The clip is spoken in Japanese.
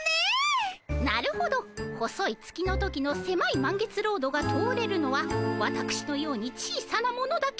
なるほど細い月の時のせまい満月ロードが通れるのはわたくしのように小さな者だけ。